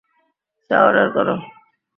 চা অর্ডার করো।